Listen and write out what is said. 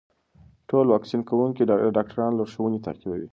ټول واکسین کوونکي د ډاکټرانو لارښوونې تعقیبوي.